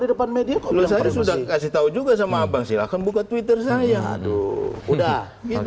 di depan media sudah kasih tahu juga sama abang silakan buka twitter saya aduh udah